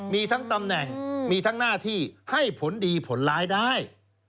มีทั้งตำแหน่งมีทั้งหน้าที่ให้ผลดีผลร้ายได้